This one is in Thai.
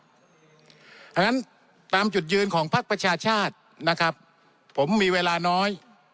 เพราะฉะนั้นตามจุดยืนของพักประชาชาตินะครับผมมีเวลาน้อย